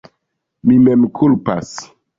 Mi mem kulpas.